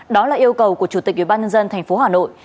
đó là yêu cầu của chủ tịch ubnd tp hà nội